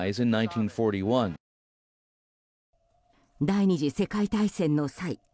第２次世界大戦の際